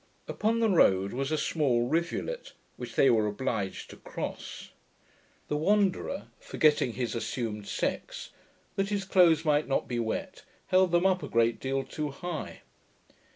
Upon the road was a small rivulet which they were obliged to cross. The Wanderer, forgetting his assumed sex, that his clothes might not be wet, held them up a great deal too high.